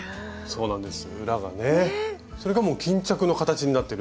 そうなんです。